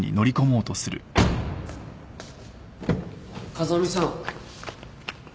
・風見さん。